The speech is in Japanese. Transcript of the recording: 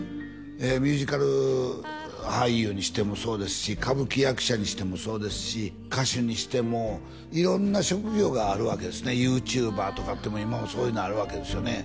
ミュージカル俳優にしてもそうですし歌舞伎役者にしてもそうですし歌手にしても色んな職業があるわけですねＹｏｕＴｕｂｅｒとかって今そういうのあるわけですよね